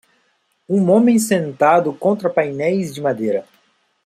Um homem sentado contra painéis de madeira.